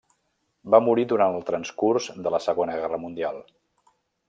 Va morir durant el transcurs de la Segona Guerra Mundial.